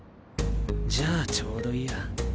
じゃあちょうどいいや。